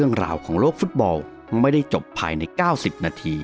สวัสดีครับ